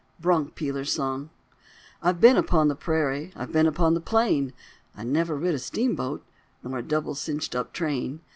BRONC PEELER'S SONG I've been upon the prairie, I've been upon the plain, I've never rid a steam boat, Nor a double cinched up train.